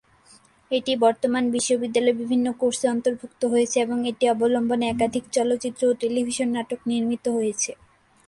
এটি বর্তমানে বিশ্ববিদ্যালয়ের বিভিন্ন কোর্সে অন্তর্ভুক্ত হয়েছে এবং এটি অবলম্বনে একাধিক চলচ্চিত্র ও টেলিভিশন নাটক নির্মিত হয়েছে।